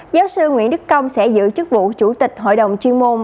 giáo sư nguyễn đức công sẽ giữ chức vụ chủ tịch hội đồng chuyên môn